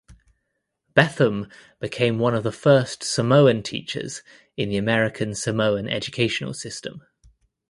Betham became one of the first Samoan teachers in the American Samoan educational system.